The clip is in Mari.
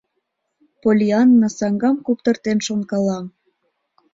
Поллианна саҥгам куптыртен шонкала.